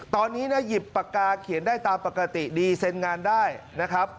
ตอนนี้นะหยิบปากกาเขียนได้ตามปกติดีเซ็นงานได้นะครับ